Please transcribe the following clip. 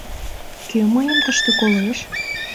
Кӧ мыйым тыште колеш?